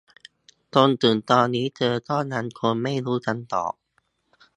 จนถึงตอนนี้เธอก็ยังคงไม่รู้คำตอบ